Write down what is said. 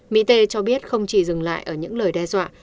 mỹ tê cho biết không chỉ dừng lại ở những lời đe dọa